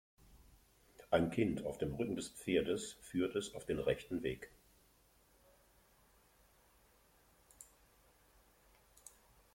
Ein Kind auf dem Rücken des Pferdes führt es auf den rechten Weg.